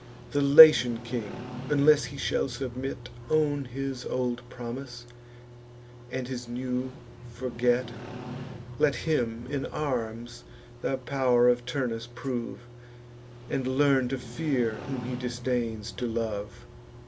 The Latian king, unless he shall submit, Own his old promise, and his new forget; Let him, in arms, the pow'r of Turnus prove, And learn to fear whom he disdains to love.